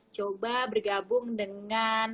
coba bergabung dengan